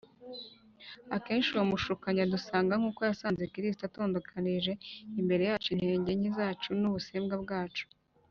Akenshi uwo mushukanyi adusanga nk’uko yasanze Kristo, atondekanije imbere yacu intege nke zacu n’ubusembwa bwacu.